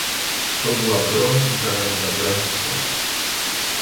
To była broń w zamian za granice